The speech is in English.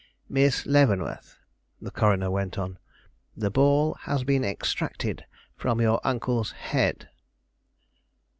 "Miss Leavenworth," the coroner went on, "the ball has been extracted from your uncle's head!"